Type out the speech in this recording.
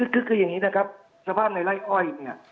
คืออย่างนี้นะครับสภาพในไล่อ้อยเนี่ย